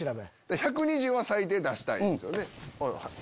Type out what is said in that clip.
１２０は最低出したいんすよね。